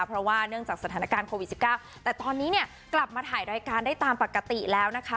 เพราะว่าเนื่องจากสถานการณ์โควิด๑๙แต่ตอนนี้เนี่ยกลับมาถ่ายรายการได้ตามปกติแล้วนะคะ